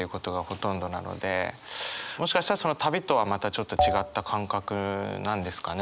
もしかしたらその旅とはまたちょっと違った感覚なんですかね？